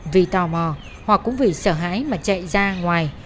vì tò mò hoặc cũng vì sợ hãi mà chạy ra ngoài